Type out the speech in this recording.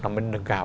nó mới nâng cao